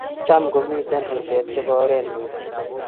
Cham komiten ruset chebo oret missing